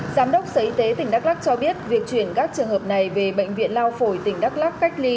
giám đốc sở y tế tỉnh đắk lắc cho biết việc chuyển các trường hợp này về bệnh viện lao phổi tỉnh đắk lắc cách ly